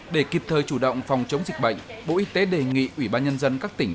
để kịp thời chủ động phòng chống dịch bệnh bộ y tế đề nghị ủy ban nhân dân các tỉnh